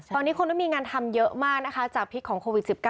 ตอนนี้คนไม่มีงานทำเยอะมากนะคะจากพิษของโควิด๑๙